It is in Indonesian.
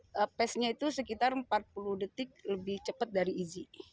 pace nya itu sekitar empat puluh detik lebih cepat dari easy